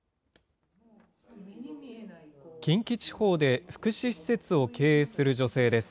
近畿地方で福祉施設を経営する女性です。